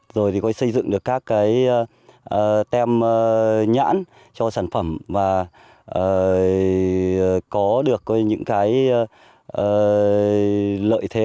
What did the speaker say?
rồi thì xây dựng được các tem nhãn cho sản phẩm và có được những lợi thế